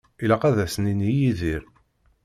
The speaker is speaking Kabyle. Ilaq ad as-nini i Yidir.